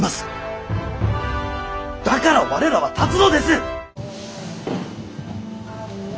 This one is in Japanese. だから我らは立つのです！